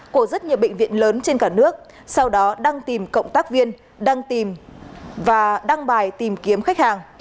của rất nhiều bệnh viện lớn trên cả nước sau đó đăng tìm cộng tác viên đăng bài tìm kiếm khách hàng